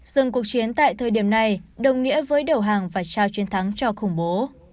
dừng cuộc chiến tại thời điểm này đồng nghĩa với đầu hàng và trao chiến thắng cho khủng bố